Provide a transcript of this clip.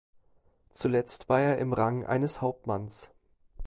Zuletzt war er im Rang eines Hauptmanns.